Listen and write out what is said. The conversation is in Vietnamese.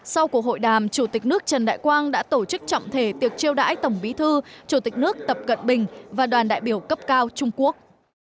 sau cuộc hội đàm chủ tịch nước trần đại quang đã tổ chức trọng thể tiệc chiêu đãi tổng bí thư chủ tịch nước tập cận bình và đoàn đại biểu cấp cao trung quốc